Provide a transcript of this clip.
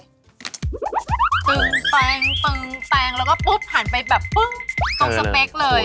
ตึงแปงปึงแปงแล้วก็ปุ๊บหันไปแบบปึ้งตรงสเปคเลย